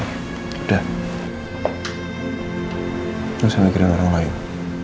udah jangan mikirin orang lain